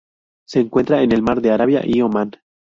Se encuentra en el Mar de Arabia y Omán.